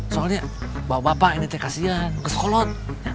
soalnya bapak bapak ini kasihan kesekolot